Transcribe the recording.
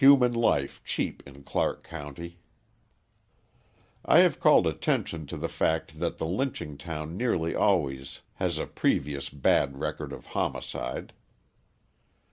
Human Life Cheap in Clark County I have called attention to the fact that the lynching town nearly always has a previous bad record of homicide.